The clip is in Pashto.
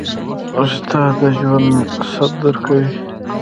استاد د ژوند مقصد درکوي.